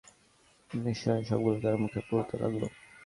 সে লাঠি ও দড়িগুলোকে একত্র মিশিয়ে সবগুলোকে তার মুখে পুরতে লাগল।